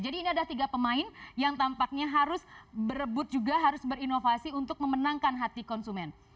jadi ini ada tiga pemain yang tampaknya harus berebut juga harus berinovasi untuk memenangkan hati konsumen